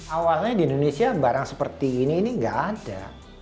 awalnya di indonesia barang seperti ini ini nggak ada